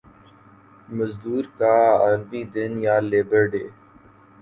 مزدور کا عالمی دن یا لیبر ڈے